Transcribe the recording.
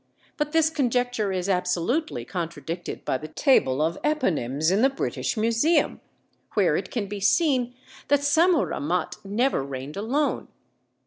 But this conjecture is absolutely contradicted by the table of eponymes in the British Museum, where it can be seen that Sammuramat never reigned alone.